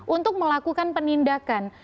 untuk melakukan penindakan